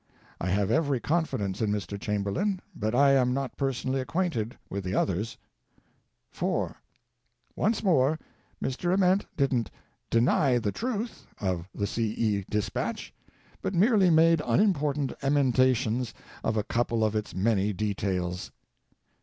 I have every confidence in Mr. Chamberlain, but I am not personally acquainted with the others. (4.) Once more — Mr. Ament didn't "deny the truth" of the C. E. dispatch, but merely made unimportant emendations of a couple of its many details.